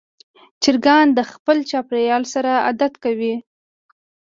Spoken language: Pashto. چرګان د خپل چاپېریال سره عادت کوي.